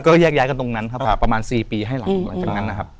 ก็แยกย้ายกันตรงนั้นครับประมาณ๔ปีให้หลังจากนั้นนะครับ